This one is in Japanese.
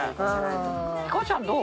ヒコちゃんどう？